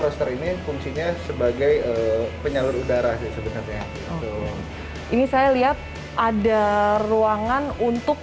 roster ini fungsinya sebagai penyalur udara sih sebenarnya ini saya lihat ada ruangan untuk